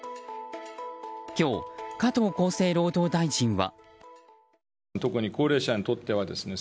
今日、加藤厚生労働大臣は。